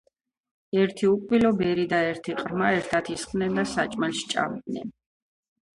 ერთი უკბილო ბერი და ერთი ყრმა ერთად ისხდენ და საჭმელს სჭამდნენ.